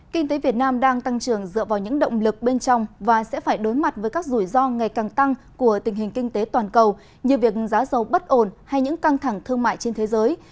kinh tế việt nam đang tăng trưởng dựa vào những động lực bên trong và sẽ phải đối mặt với các rủi ro ngày càng tăng của tình hình kinh tế toàn cầu như việc giá dầu bất ổn hay những căng thẳng thương mại trên thế giới